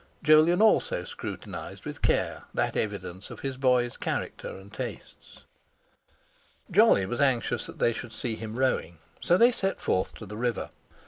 Jolyon also scrutinised with care that evidence of his boy's character and tastes. Jolly was anxious that they should see him rowing, so they set forth to the river.